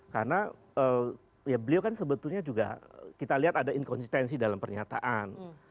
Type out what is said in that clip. karena beliau kan sebetulnya juga kita lihat ada inkonsistensi dalam pernyataan